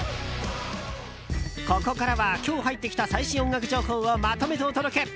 ここからは、今日入ってきた最新音楽情報をまとめてお届け。